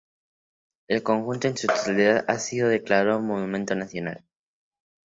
El conjunto en su totalidad ha sido declarado Monumento Nacional.